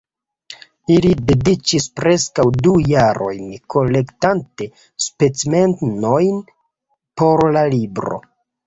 Ili dediĉis preskaŭ du jarojn kolektante specimenojn por la libro.